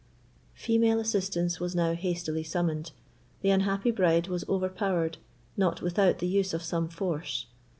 Female assistance was now hastily summoned; the unhappy bride was overpowered, not without the use of some force.